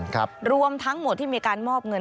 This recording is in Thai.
รวมทั้งหมดที่มีการมอบเงิน